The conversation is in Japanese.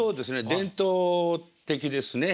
伝統的ですね。